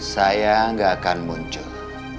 saya gak akan muncul